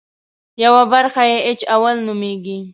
یوه برخه یې اېچ اول نومېږي.